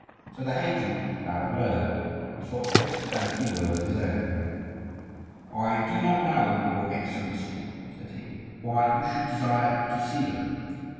So the heyduke bowed low, and thought fit to add a few words of his own. "I do not know, your excellency," said he, "why you should desire to see them.